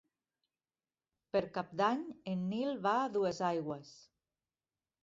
Per Cap d'Any en Nil va a Duesaigües.